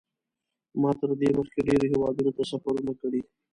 ما تر دې مخکې ډېرو هېوادونو ته سفرونه کړي.